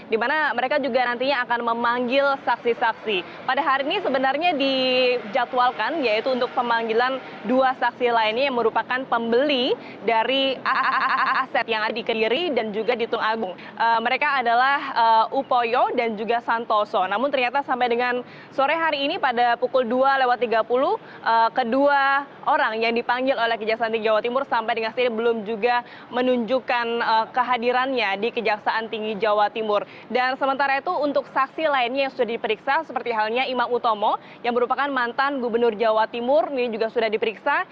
dan sementara itu untuk saksi lainnya yang sudah diperiksa seperti halnya imak utomo yang merupakan mantan gubernur jawa timur ini juga sudah diperiksa